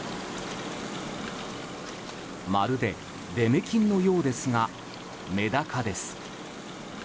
まるで出目金のようですがメダカです。